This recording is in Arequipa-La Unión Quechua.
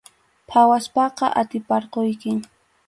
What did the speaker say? Phawaspaqa atiparquykim.